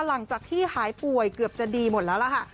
หลังจากที่หายป่วยเกือบจะดีหมดแล้วล่ะค่ะ